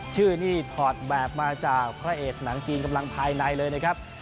ชื่อนี่ถอดแบบมาจากพระเอกหนังจีนกำลังภายในเลยนะครับ